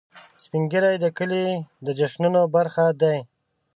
سپین ږیری د کلي د جشنونو برخه دي